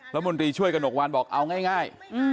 แล้วบริษัทช่วยกระหนกวานบอกเอาง่าย